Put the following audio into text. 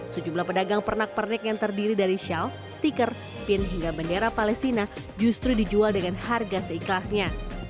sejumlah pedagang pernak pernik yang terdiri dari shawl stiker pin hingga bendera palestina justru dijual dengan harga seikhlasnya